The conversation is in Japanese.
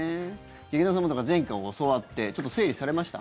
劇団さんも、だから前回教わってちょっと整理されました？